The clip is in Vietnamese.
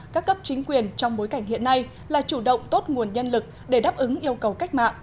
các cấp chính quyền trong bối cảnh hiện nay là chủ động tốt nguồn nhân lực để đáp ứng yêu cầu cách mạng